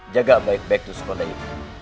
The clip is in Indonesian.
jaga baik baik tusuk kondi ini